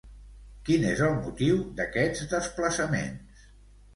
Quin és el motiu d'aquests desplaçaments?